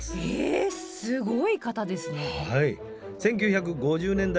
すごい方ですね！